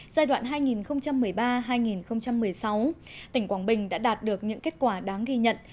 giai đoạn hai nghìn một mươi ba hai nghìn một mươi sáu tỉnh quảng bình đã đạt được những kết quả đáng ghi nhận